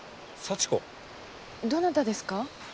どなたですか？